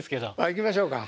いきましょうか。